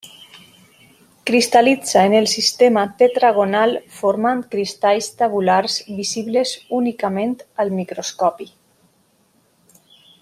Cristal·litza en el sistema tetragonal formant cristalls tabulars visibles únicament al microscopi.